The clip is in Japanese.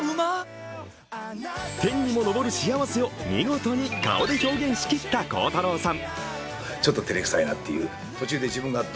天にも昇る幸せを見事に顔で表現しきった鋼太郎さん。